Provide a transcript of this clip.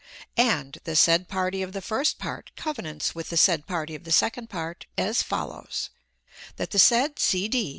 And the said party of the first part covenants with the said party of the second part as follows: That the said C. D.